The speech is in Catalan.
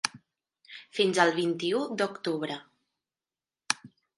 Fins al vint-i-u d’octubre.